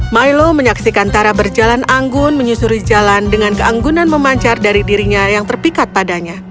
milo menyaksikan tara berjalan anggun menyusuri jalan dengan keanggunan memancar dari dirinya yang terpikat padanya